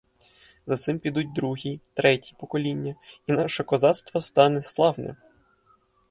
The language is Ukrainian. За цим підуть другі, треті покоління, і наше козацтво стане славне.